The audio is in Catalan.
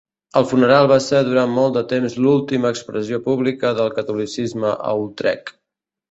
El funeral va ser durant molt de temps l'última expressió pública del catolicisme a Utrecht.